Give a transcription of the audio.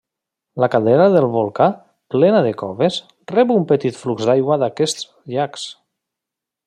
La caldera del volcà, plena de coves, rep un petit flux d'aigua d'aquests llacs.